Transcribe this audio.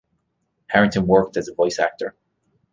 Harrington worked as a voice actor.